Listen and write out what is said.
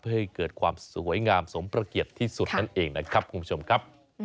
เพื่อให้เกิดความสวยงามสมประเกียรติที่สุดนั่นเองนะครับคุณผู้ชมครับ